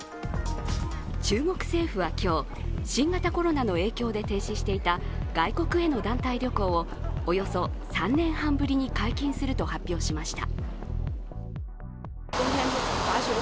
中国政府は今日、新型コロナの影響で停止していた外国への団体旅行をおよそ３年半ぶりに解禁すると発表しました。